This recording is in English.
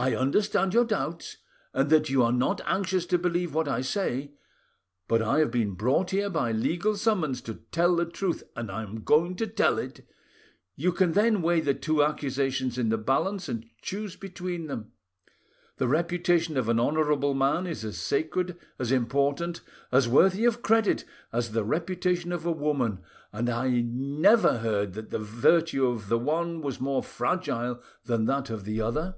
"I understand your doubts, and that you are not anxious to believe what I say, but I have been brought here by legal summons to tell the truth, and I am going to tell it. You can then weigh the two accusations in the balance, and choose between them. The reputation of an honourable man is as sacred, as important, as worthy of credit as the reputation of a woman, and I never heard that the virtue of the one was more fragile than that of the other."